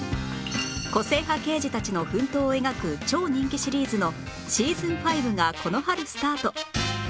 個性派刑事たちの奮闘を描く超人気シリーズのシーズン５がこの春スタート